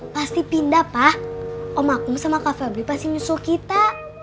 pasti pindah pak om aku sama kak fabri pasti nyusul kita